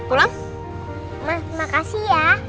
emang makasih ya